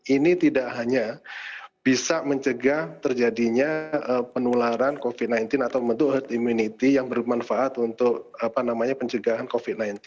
ini tidak hanya bisa mencegah terjadinya penularan covid sembilan belas atau membentuk herd immunity yang bermanfaat untuk pencegahan covid sembilan belas